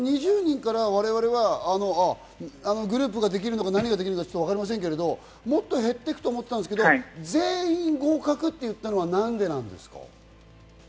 その２０人から我々はグループができるのかわかりませんけれども、もっと減っていくと思ってたんですけど、全員合格といったのはなんでなんですか？